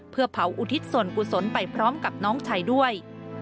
เพื่อเผาอุทิศส่วนกุศลไปพร้อมกับน้องชายด้วย